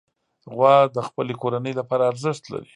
غوا د خپلې کورنۍ لپاره ارزښت لري.